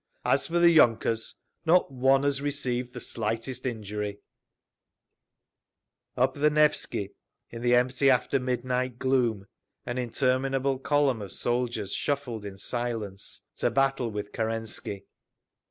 As for the yunkers, not one has received the slightest injury…." Up the Nevsky, in the empty after midnight gloom, an interminable column of soldiers shuffled in silence—to battle with Kerensky.